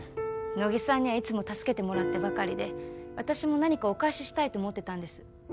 乃木さんにはいつも助けてもらってばかりで私も何かお返ししたいと思ってたんです